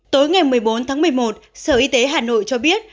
tối ngày một mươi bốn tháng một mươi một sở y tế hà nội cho biết